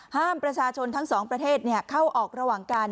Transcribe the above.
ห้ามประชาชนทั้งสองประเทศเข้าออกระหว่างการ